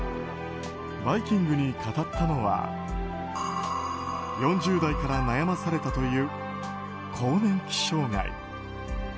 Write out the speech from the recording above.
「バイキング」に語ったのは４０代から悩まされたという更年期障害。